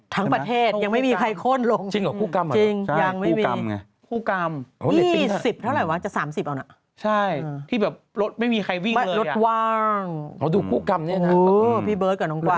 ทั้งประเทศยังไม่มีใครข้นลง